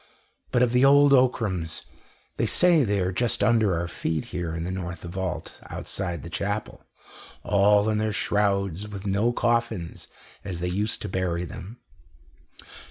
But of the old Ockrams they say they are just under our feet here in the north vault outside the chapel, all in their shrouds, with no coffins, as they used to bury them."